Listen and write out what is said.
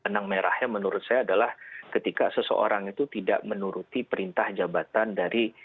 tenang merahnya menurut saya adalah ketika seseorang itu tidak menuruti perintah jabatan dari